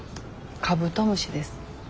カブトムシです。